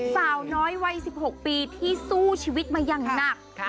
สาวน้อยวัย๑๖ปีที่สู้ชีวิตมาอย่างหนัก